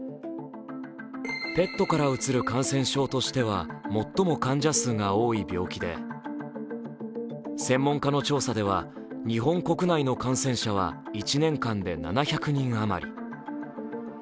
ペットからうつる感染症としては最も患者数が多い病気で専門家の調査では日本国内の感染者は１年間で７００人あまり。